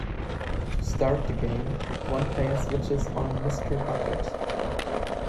To start the game, one player switches on Mr. Bucket.